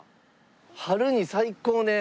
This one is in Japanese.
春に最高ね。